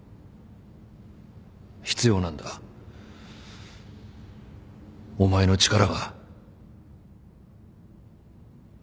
必要なんだお前の力が。